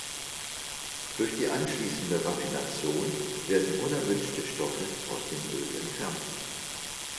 Durch die anschließende Raffination werden unerwünschte Stoffe aus dem Öl entfernt.